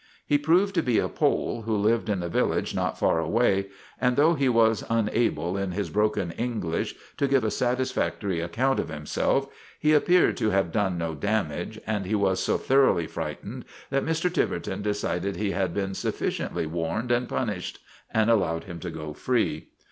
He proved to be a Pole who lived in the village not far away, and though he was unable, in his broken English, to give a satisfactory account of himself, he appeared to have done no damage, and he was so thoroughly frightened that Mr. Tiverton decided he had been sufficiently warned and punished 140 STRIKE AT TIVERTON MANOR and allowed him to go free.